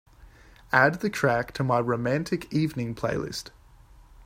Add the track to my romantic evening playlist.